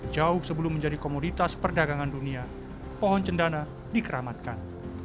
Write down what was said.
jauh sebelum menjadi komoditas perdagangan dunia pohon cendana dikeramatkan